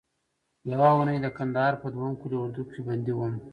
یوه اونۍ د کندهار په دوهم قول اردو کې بندي وم.